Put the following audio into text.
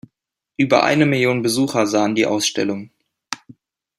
Über eine Million Besucher sahen die Ausstellung.